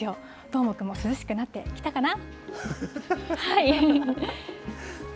どーもくんも涼しくなってきたかな？